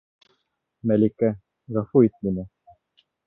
Мәликә... ғәфү ит мине...